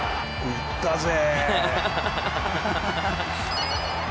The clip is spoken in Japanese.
「打ったぜ！」。